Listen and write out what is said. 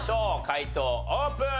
解答オープン！